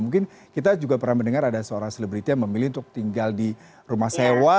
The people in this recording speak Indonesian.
mungkin kita juga pernah mendengar ada seorang selebriti yang memilih untuk tinggal di rumah sewa